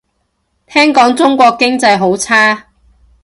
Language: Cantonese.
聽講中國經濟好差